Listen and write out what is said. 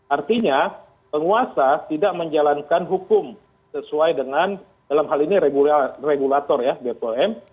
artinya penguasa tidak menjalankan hukum sesuai dengan dalam hal ini regulator ya bpom